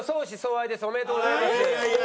ありがとうございます。